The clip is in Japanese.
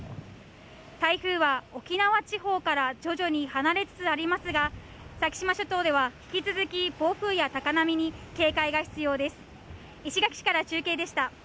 台風は沖縄地方から徐々に離れつつありますが先島諸島では引き続き暴風や高波に警戒が必要です。